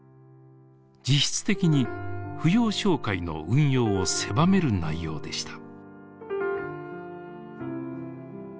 実質的に扶養照会の運用を狭める内容でした。